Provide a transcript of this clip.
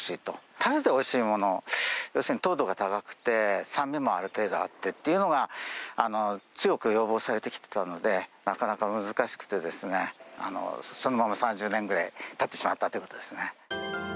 食べておいしいもの、要するに糖度が高くて、酸味もある程度あってっていうのが、強く要望されてきてたので、なかなか難しくてですね、そのまま３０年ぐらいたってしまったということですね。